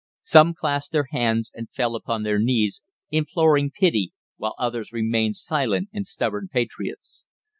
Some clasped their hands and fell upon their knees, imploring pity, while others remained silent and stubborn patriots.